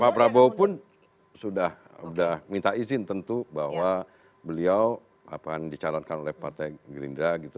pak prabowo pun sudah minta izin tentu bahwa beliau akan dicalonkan oleh partai gerindra gitu